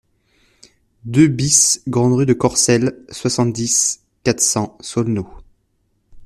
deux BIS grande Rue de Corcelles, soixante-dix, quatre cents, Saulnot